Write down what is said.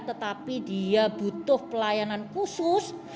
tetapi dia butuh pelayanan khusus